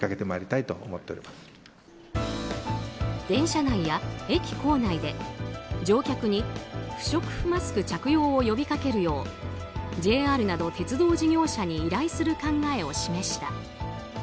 電車内や駅構内で乗客に不織布マスク着用を呼びかけるようＪＲなど鉄道事業者に依頼する考えを示した。